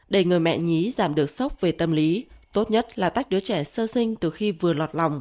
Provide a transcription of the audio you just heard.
để người mẹ nhí giảm được sốc về tâm lý tốt nhất là tách đứa trẻ sơ sinh từ khi vừa lọt lòng